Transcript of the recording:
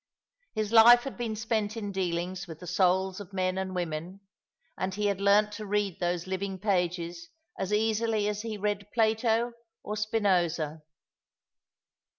His life had been spent in dealings with the souls of men and women, and he had learnt to read those living pages as easily as he read Plato or Spinosa.